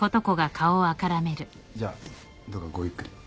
じゃあどうぞごゆっくり。